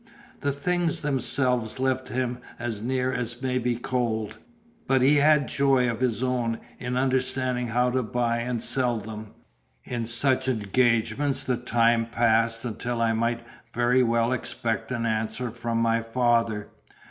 The things themselves left him as near as may be cold; but he had a joy of his own in understanding how to buy and sell them. In such engagements the time passed until I might very well expect an answer from my father.